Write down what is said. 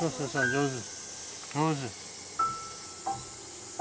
上手。